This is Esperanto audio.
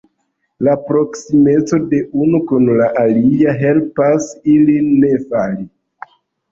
La proksimeco de unu kun la alia helpas ilin ne fali.